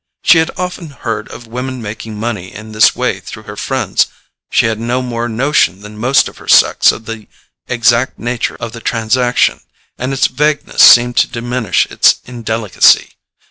She had often heard of women making money in this way through their friends: she had no more notion than most of her sex of the exact nature of the transaction, and its vagueness seemed to diminish its indelicacy.